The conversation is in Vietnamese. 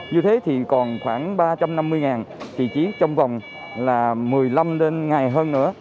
như thế thì còn khoảng ba trăm năm mươi vị trí trong vòng là một mươi năm ngày hơn nữa